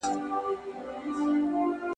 که سياسي مبارزه سوله ييزه وي پايله به يې ښه وي.